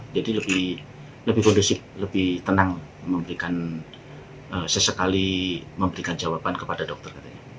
jadi lebih kondusif lebih tenang memberikan sesekali memberikan jawaban kepada dokter